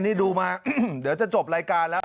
นี่ดูมาเดี๋ยวจะจบรายการแล้ว